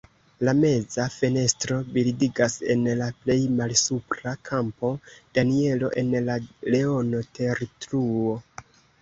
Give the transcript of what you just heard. La meza fenestro bildigas en la plej malsupra kampo Danielo en la leono-tertruo.